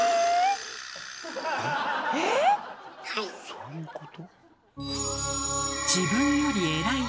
そういうこと？